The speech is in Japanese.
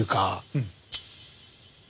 うん。